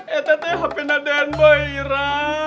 eh teteh hpnya deng boi ira